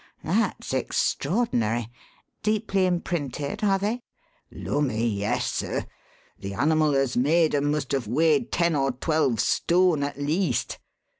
That's extraordinary. Deeply imprinted, are they?" "Lummy! yes, sir. The animal as made 'em must have weighed ten or twelve stone at least.